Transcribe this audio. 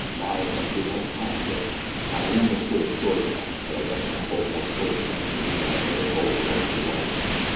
"My, but I did have a time of it! I ain't much good at story tellin' but I reckon I told more stories this arternoon than I ever tole before in all my life.